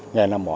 nghề làm mỏ